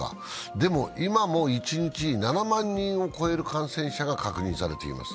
でも、今も一日７万人を超える感染者が確認されています。